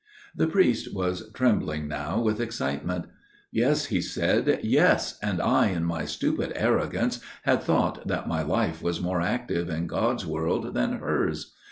The priest was trembling now with excitement. "Yes," he said; "yes, and I in my stupid arrogance had thought that my life was more active in God's world than hers.